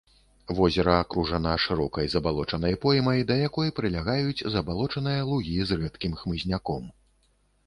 Возера акружана шырокай забалочанай поймай, да якой прылягаюць забалочаныя лугі з рэдкім хмызняком.